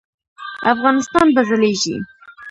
افغانستان به ځلیږي؟